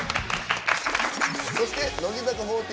そして乃木坂４６。